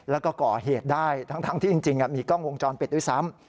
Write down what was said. แล้วก็ก่อเหตุได้ทั้งที่จริงมีกล้องวงจรปิดด้วยซ้ำ